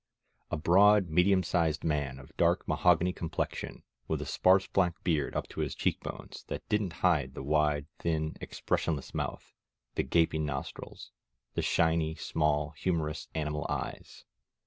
A broad, medium sized man of dark mahogany complexion, with a sparse black beard up to his cheek bones, that didn't hide the wide, thin, expressionless mouth, the gaping nos trils, the shiny, small, humorous, animal eyes.